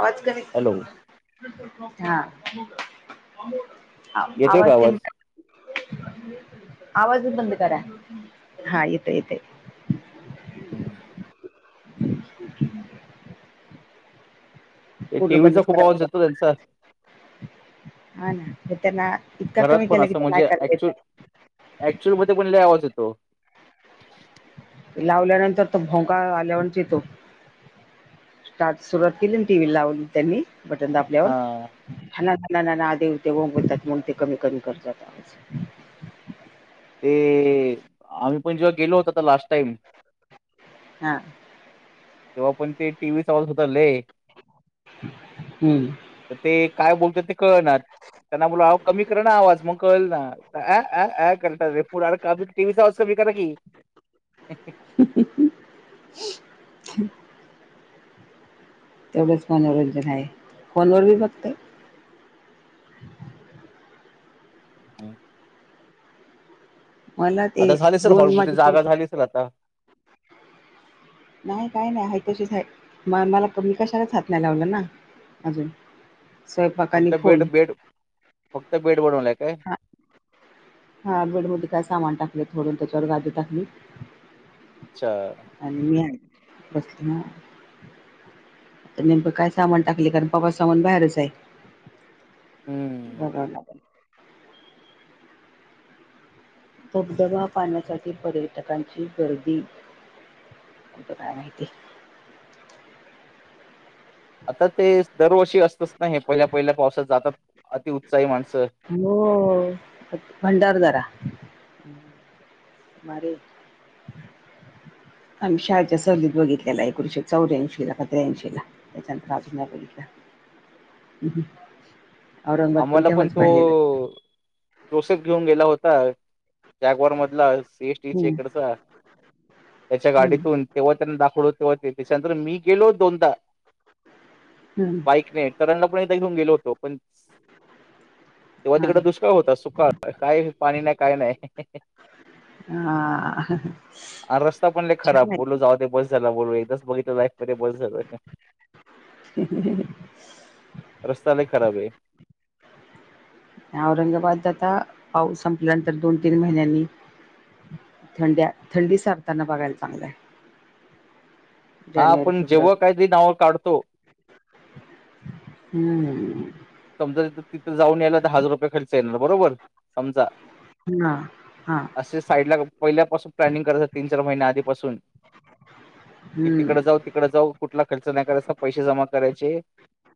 आवाज कधी हॅलो हा येतोय का आवाज ते आवाजच बंद करा हा येत येत ह ते टी पूर्ण व्हीचा बंदच खूप करावा आवाज येतो लागतो. त्यांचा हा ना त्यांना इतका कमी केला की नाही काेत ऍक्चुअल मध्ये कोुणीला आवाज होतो लावल्यानंतर तो भोका आल्यावर तो स्टार्ट सुरवात केली टीव्ही लावली त्यांनी बटन दापल्यावर हा. ह ना ना ना देवते ंओवतात म्हणून ते कमी कमी करतात आवाज ते तेआम्ही पण जेव्हा गेलो होत तर लास्ट टाईम हा तेव्हा पण ते टीव्ही चालत होतले हम्म तर ते काय बोलत ते कळणार त्यांना बोलला हा कमी कर ना आवाज मग कल ना रे फ का सवाज ब का नी ह. ह ह तेवढंच मनोरंजन आहे फोनवर बी बघत मला आता ते झाले सल दोन हॉलम माझे पोरं जागा झाली असेल आता नाही काही नाही ह तशीच म मला मी कशालाच हात नाही लावलं ना अजून स्वयंपाक आणि फक्त फोन बेड बेड फक्त बेड बनवलाय काय? हा हा बेड म काय सामान टाकले थोडून त्याच्यावर गादी टाकली. अच्छा. आणि मी बस ना- तर नेमकं काय सामान टाकले कारण प् सामान बाहेरच आहे. हम्म. बरो बधबा पाण्यासाठी पर्यटकांची गर्दी काय माहिती? आता ते दरवर्षी असतच ना हे पहिल्या पहिल्या पावसात जातात अतिउत्साही माणसं हो भंडार दरा मारी आम्ही शाळेच्या सहलीत बघितलेला आहे एकोणीशे चौऱ्याऐंशी ला पंध्याऐंशी ला त्याच्या प्रज नाही पिक आम्हाला पण तो जोसेफ घेऊन गेला होता जॅगवर मधला हम्म इकडचा त्याच्या गाडीतून तेव्हा त्यांना दाखवलो तेव्हा ते त्याच्यानंतर मी गेलो दोनदा हम्म. बाईकने तरणला पण एकदा घेऊनेलो होतो पण तेव्हा हम्म तिकड दुष्काळ होतात सुकाळ काय पाणी नाही काय नाही हा हा आ रस्ता पण ल छान खराब आहे बोोलो जाऊ ते बस झा बोल एकच बघितलं लाईफ मध्ये बस झालं. ह. रस्ता नाही खराब आहे. औरंगाबाद आता पाऊस संपल्यानंतर दोन तीन महिन्यांनी थंड्या थंडी सारताना बघायला चांगलंय. हा आपण जेव्हा फेब्रुवारी काहीतरी नावं काढतो. हम्म. समजा तिथं जाऊन यायला तर हजार रुपये खर्च येणार बरोबर समजा ह. असे साईडला पहिल्यापासून प्लॅनिंग करत तीन चार महिने आधीपासून की हम्म तिकडे जाऊ तिकडें जाऊ कुठला खर्च नाही करायचा पैसे जमा करायचे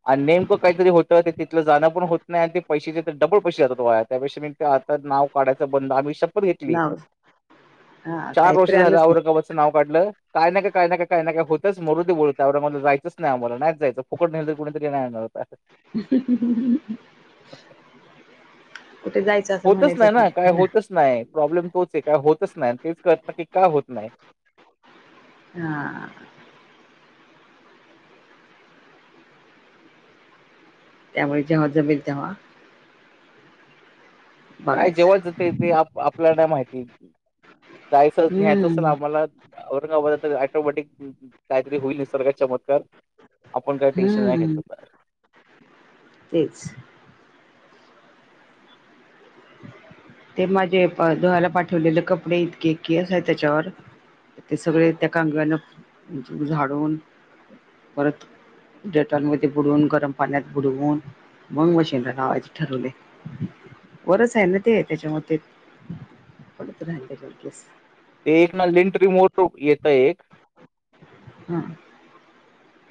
आणि नेमकं काहीतरी होतं ते तिथलं जाणं पण नाही ते पैसेाचे तर डबल पैसे जातो त्यापेा मी ते आता नाव काढाचं बंद आम्ही शपथ घेतली नव चार वर्ष झाल्या आवडका नाव काढलं काय काय काय नाही काय होतच मरुे बोलतला जायचंच नाही आम्हाला नाहीच जायच फकट निल कुणी येणार कुठे जाय होतच नाही ना काय होतच नाही प्रॉब्लेम तोच आहे काय होतच नाही तेच कळत ना की का होत नाही हा त्यामुळे जेव्हा जमेल तेव्हा काय जेव्हा बघायचं जाते ते आप आपल्याला नाही माहिती जायचं न्यायचं असेल हम्म आम्हाला औरंगाबादला ऑटोमॅटिक काहीतरी होईल नि सर्ग चमत्कार आपण काही टेशन नाही घ्यायच हम्म तर तेच ते माझे दोहा्याला पाठवलेले कपडे इतके इतकी अस आहे त्याच्यावर ते सगळे त्या कग्याना झाडून परत. जटांमध्ये बुडवून गरम पाण्यात बुडवून. मंग मशीनला नावाचे ठरवले वरच आहे ना. ते त्याच्या म ते परत राहि त्याच्यास. ते एक ना लिंट रिम येतं एक. हम.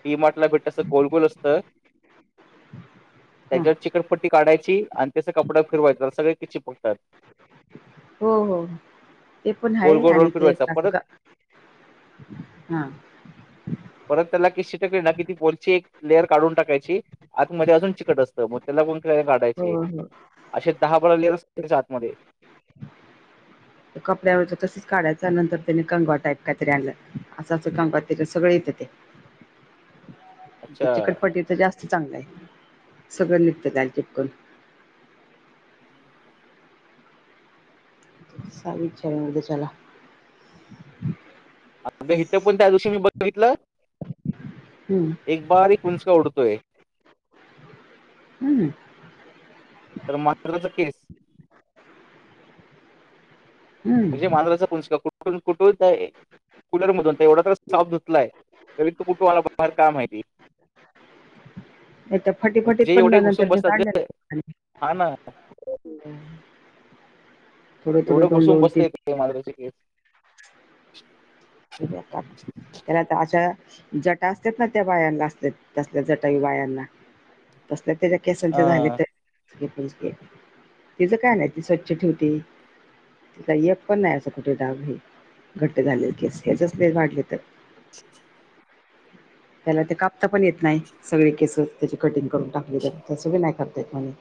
टी मार्टला भेटत अस गोलगोल असत हां त्याच्या कपट्टी काढायची आणि त्यास कपडा फिरवायचं सगळ क चिपकतात. हो हो ते पण गोल आहे गोल रोल आणि ते फिरवायचा असं परत का हा. परत त्याला किस्ती टकली ना कि ती पोरची एक लेअर काढून टाकायची. आता मध्ये अजून चिकट असतं मग त्याला कोणा हो हो असे दहा बळा लि त्याच्या आतमध्ये [inaudible] कपड्यावर तसेच काढायच नंतर त्याने कंगवा टाईप काहीतरी आणलं असं असं कंगवा त सगळ येतं ते अच्छा. चखटपटी तर जास्त चांगलं आहे सगळं निघत त्याल चिपकून सा इचछध्ये चला. अ इथं पण त्या दिवशी मी बघितलं. हम्म. एक बारी कुंचका उडतोय. हम्. तर मात्रचा केस. हम्म म्हणजे मांद्रचा कंच कुठून कुठून कुलर मधून तर एवढा तर साफ धुतलाय तरी तू कुठुमला बाहेर काय माहिती नाही त्या फटीफटीत म्हणजे पण एवढे घुसून नंतर मी बसतात ग हा ना. हम्. एवढं घुसून बसत येत ते मला तचे केस त्याला तर अा. जटा असतात ना त्या वायांना असत तसल्या जटाई वायांना तसल्या त्याच्या केसांचे झाले हा, तर तिचं का नाही ती स्वच्छ ठेवते. य पण नाही असं कुठे दाग हे घट्ट झाले केस हेसले वाढले तर ह. त्याला ते कापता पण येत नाही सगळे केसस त्याची कटिंग करून टाकले तर त्या सगळे नाही करता येत.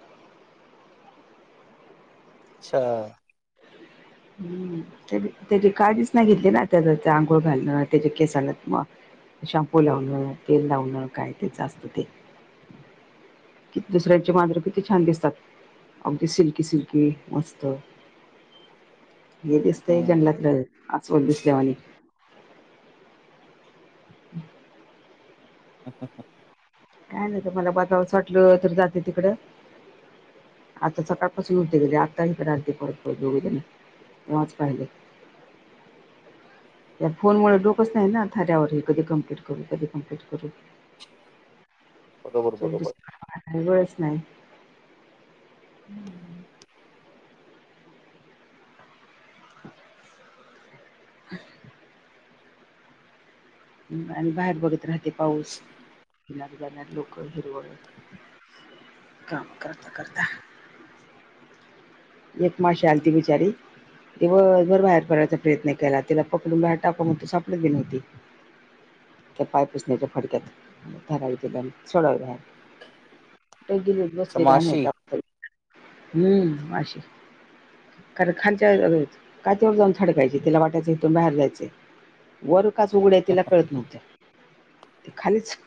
अच्छा. हम्म त्याची काजीच नाही घेतली ना त्याचा आंघोळ घालणं त्याच्या केसाला शॅम्पू लावण तेल लावणं काय तेचस्त ते कि दुसऱ्यांचे मांजरे किती छान दिसतात. अगदी सिल्की सिल्की मस्त हे दिसतय हम्म. कनलात आवत दिसल्यावा आणि [unintelligible] अचछा. काय नाही का मला बघावस वाटलं तर जाते तिकडं. आता सकाळपासून उठते गेले आता इकडे आणते परत परत दोघ जण तेव्हाच पाहिले या फोन मु डोकच नाही ना ऱ्यावर कधी कंप्लीट करू कधी कमप्लीट करू. बरोबर चौस बरोबर वळच नाही. [unintelligible] आणि बाहेर बघत राहते पाऊस. किन जाणार लोक हिरवळ काम करता करत. एक महा शाल ती बचारी. तेव घर बाहेर पडयचा प्रयत्न केला त्याला पकडून बा टाका म्हग तो सापड दि नव्हती. त्या पाय पसण्याच्या फडक्यात रावी केल्या सोडावे बाहेर गेली अच्छा बसले का माशी नाही हम्म अे. कारण खाच्या काात्यावर जाऊन थडकायचे तिला वाटायचं हिथून बाहेर जायच. वर काच उघड्या तिला कळत नव्हत्या ते खालीच.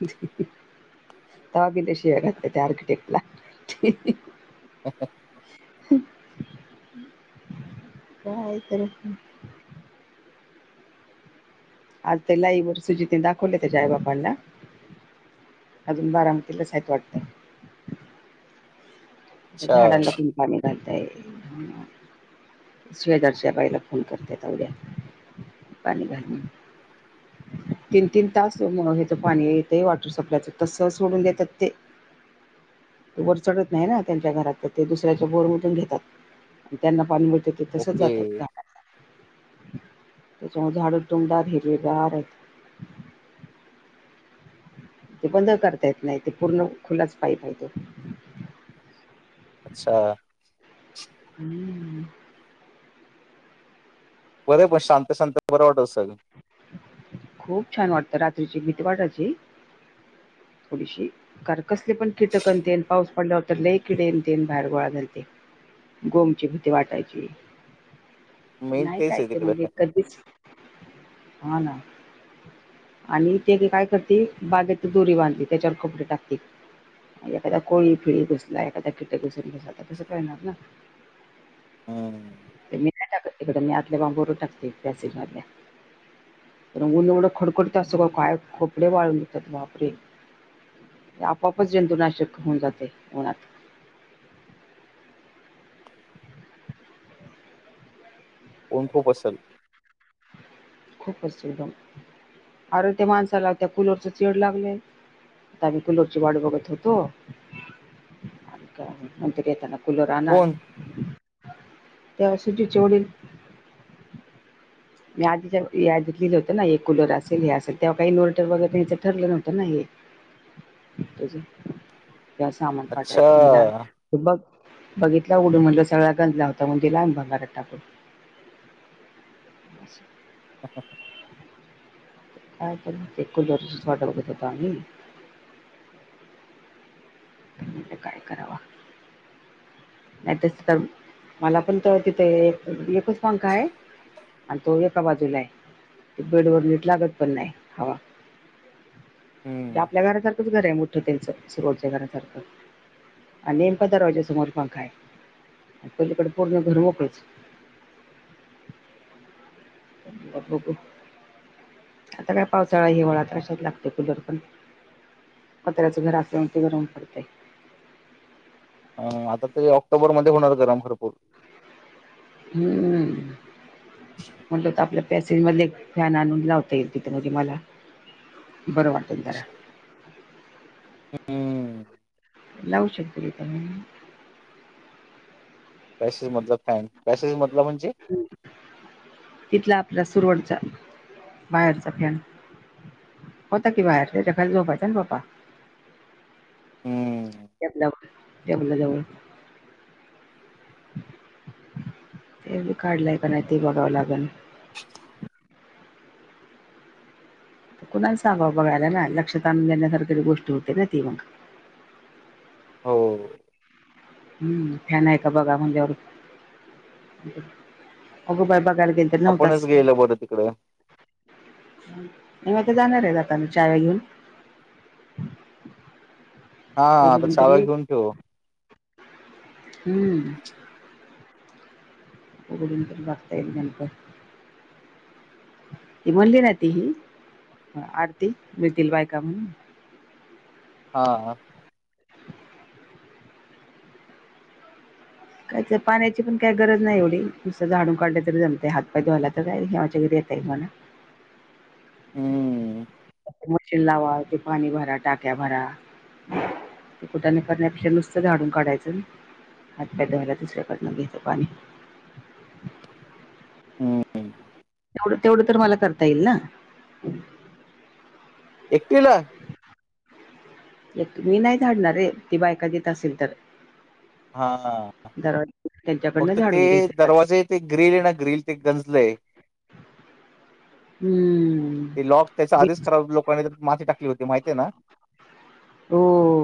त गलेशीेग ते आर्किटेक्ट ला. हो काय तरी आज ते लाईववर सुजिते दाखवले त्याच्या आई बापांला. अजून बारामती ल साहत वाटतं. अच्छा झाडांला पण पाणी घालताय. शवेजारच्या बाईला फोन करत अवड्या पाणी घाल तीन तीन तास हे तर पाणी येतंय वॉटर सप्लायच तस सोडून देतात ते. त वर चढत नाही ना. त्यांच्या घरात तर ते दुसऱ्याच्या बोरमधून घेतात त्यांना पाणी मिळत ते तसंच ओके जातात. त्याच्यामुळे झाडू तुमड हिरवेगार आहेत. ते बंद करता येत नाही ते पूर्ण खुलच पाईप आहे तो. अच्छा हम्म बरे पण शांत शांत बरं वाटत सग. खूप छान वाटतं रात्रीची भीितवाटाची थोडीशी. कार कसले पण कीटकनतेन पाऊस पडल्यावरर लई किडे यते बाहेर गोळा घलते. गोमची भीती वाटायची मेन नाही तेच काय आहे ते तिकडे म्हणजे कधीच. हा ना. आणि ते काय करते बागेत दोरी बांधते त्याच्यावर कपडे टाकते. एखादा कोळी फिळी घुसला एखादा किट घुसून घसला तर तसं कळणार ना. हम्म. मी नाही टाकत तकड मी आल्या बांबवर टाते त्या सिधल्या. रंगून रंगडं खडकडत असो कां काय कपडे वाळून देतात वापरे. आपापच जंतुनाशक होऊन जाते उना पऊण खूप असल खूप असशीदम अरे ते माणसाला त्या कूलरच चचेड लागलंय आता आम्ही कूलरची वाड बघत होतो मंतरी येताना कुलो राणार कोण तेव्हा सुजीचेवडील मी आधी ज याी लिहिलं होतं ना एक कुलर असेल हे असेल तेव्हा काही इनवर्टर वगैरेचं ठरलं नव्हतं ना हे. त्या सामान अच्छा पाठवायचं मला. बघ बघितला उडून म्हटलं सगळ गंजला होता म्हण त लहान भंगालाात टाकून. ब ह ह ह काय एक जडा क प पाणी. म तर काय कराव. नाही तस तर मला पण त तिथे एकच मांखा आहे. आणि तो एका बाजूला आहे त बेड वर नीट लागत पण नाही हवा. हम्म. आपल्या घराारखच घर आहे मोठं त्यांचं सरवडच्या घरासारखं. आणि एम प दरवाजे समोर पण खाय. पलीकडे पूर्ण घर मोकळेच. बाभक. आता काय पावसाळा हिवाळा तर अशात लागते कुदरपण. पत्र्याच घर असल्या ते घरवून पडतेय. अ आता ते ऑक्टोबर मध्ये होणार गरम भरपूर. हम्मम म्हणटलं तर आपल्या पॅसेज मध फॅन आणून लावता येईल तिथे म्हजे मला. बरं वाटेल जरा. हम्म लावू शकते. पॅसेस मधला फॅन पॅसेस मधला म्हणजे? तिथला आपला सुरवटचा बाहेरचा फॅन. होता कि बाहेर त्याच्याखा झोपायचां पप्पा. हम्म त्याल्या त्याबल्या जवळ. ते काढलाय का नाही ते बघावं लागेल. कुणाला सांगां बघायला ना लक्षात आणून देण्यासारखी गोष्टी होते ना ती मग हो हम्म फॅन आहे का बघा म्हणल्यवर अगो बाय बघायला गेल. एना उ आपणच कास. गेलं बरं तिकडं म आता जाणार आहे आता म चाव्या घेऊन. हा आता उघडून तरी चाव्या येऊ घेऊन ठेव. हम्म उघडनंत बघतायईल गनप. ती म्हणली ना त ही आरती मिळतील बायका म्हणून. हा हा. कायच पाण्याची पण काय गरज नाही एवढी दुसरं झाडू काढलं तरी जमते हात पाय धुवायला तर काय हे्यावाच्या घरी येत आहे मणा. हम्म. मशीन लावा ते पाणी भरा टाक्या भरा. ते कुटाने करण्यापेक्षा नुसतं झाडून काढायचं नाय. हातद व्हायला दुसऱ्याकडं घेत पाणी. ह हंम तेवढ तेवढं तर मला करता येईल ना. एकटीला? एक मी नाही झाडणार रे ती बायका देत असेल तर. हा दरवाजा त्यांच्याकडनं फक्त ते झाडून घ्यायचं दरवाजे ते ग्रिल आहे ना ग्रिल ते गंजलय. हम्म ते लॉक त्याच्या आधीच खराब लोकांनी माती टाकली होती माहिती आहे ना. हो